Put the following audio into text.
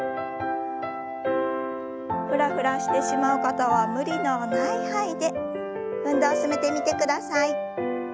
フラフラしてしまう方は無理のない範囲で運動を進めてみてください。